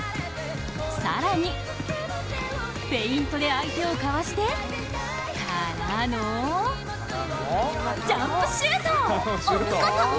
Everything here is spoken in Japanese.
更に、フェイントで相手をかわしてからのジャンプシュート、お見事！